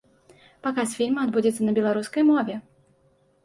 Паказ фільма адбудзецца на беларускай мове.